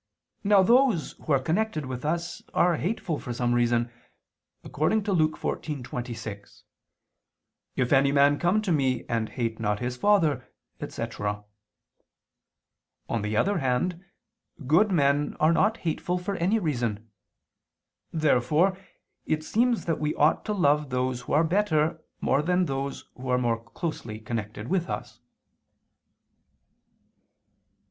Now those who are connected with us are hateful for some reason, according to Luke 14:26: "If any man come to Me, and hate not his father," etc. On the other hand good men are not hateful for any reason. Therefore it seems that we ought to love those who are better more than those who are more closely connected with us.